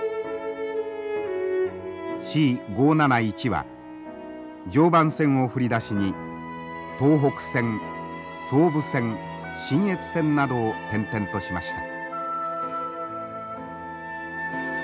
Ｃ５７１は常磐線を振り出しに東北線総武線信越線などを転々としました。